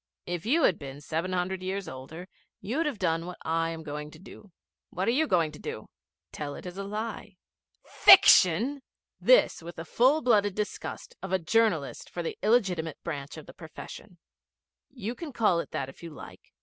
If you had been seven hundred years older you'd have done what I am going to do.' 'What are you going to do?' 'Tell it as a lie.' 'Fiction?' This with the full blooded disgust of a journalist for the illegitimate branch of the profession. 'You can call it that if you like.